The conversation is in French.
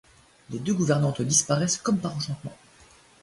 Les deux gouvernantes disparaissent comme par enchantement.